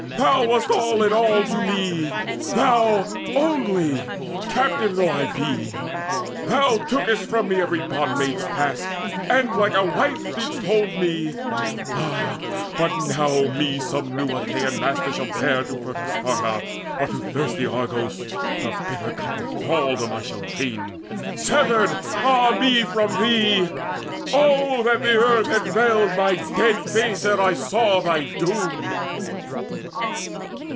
Thou wast all in all To me, thou only, captive though I be. Thou tookest from me every bondmaid's task And like a wife didst hold me. Ah, but now Me shall some new Achaean master bear To fertile Sparta, or to thirsty Argos. The bitter cup of thraldom shall I drain, Severed, ah me, from thee! Oh that the earth Had veiled my dead face ere I saw thy doom!"